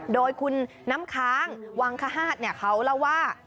โดยคุณน้ำค้างวังคฮาตเขาเล่าว่า